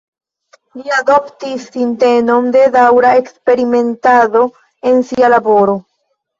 Li adoptis sintenon de daŭra eksperimentado en sia laboro.